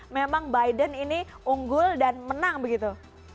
memang biden ini unggul dan menang begitu